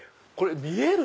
見える？